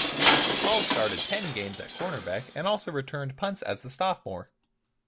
Hall started ten games at cornerback and also returned punts as a sophomore.